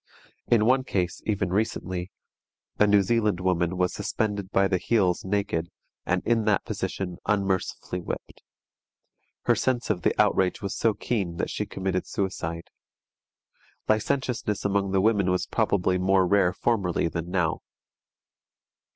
In one case, even recently, a New Zealand woman was suspended by the heels naked, and in that position unmercifully whipped. Her sense of the outrage was so keen that she committed suicide. Licentiousness among the women was probably more rare formerly than now.